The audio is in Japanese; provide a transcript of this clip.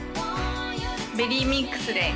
ベリーミックスです。